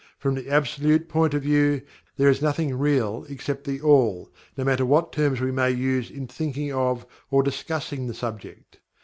From the Absolute point of view, there is nothing Real except THE ALL, no matter what terms we may use in thinking of, or discussing the subject.